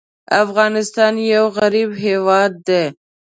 افغانستان یو غریب هېواد دی.